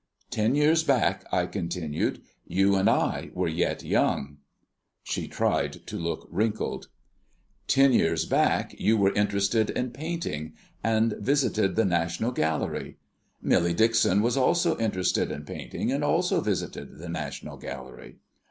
"Ten years back," I continued, "you and I were yet young." She tried to look wrinkled. "Ten years back you were interested in painting, and visited the National Gallery. Millie Dixon was also interested in painting and also visited the National Gallery.